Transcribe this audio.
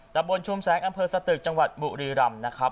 ตะบนชุมแสงอำเภอสตึกจังหวัดบุรีรำนะครับ